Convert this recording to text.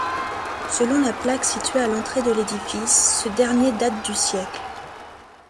Selon la plaque située à l'entrée de l'édifice, ce dernier date du siècle.